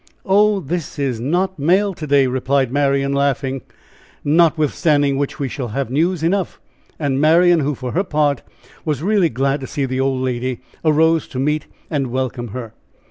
"Oh! this is not mail day!" replied Marian, laughing, "notwithstanding which we shall have news enough." And Marian who, for her part, was really glad to see the old lady, arose to meet and welcome her.